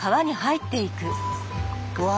うわ！